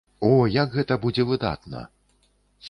О, як гэта будзе выдатна!